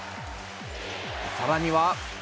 さらには。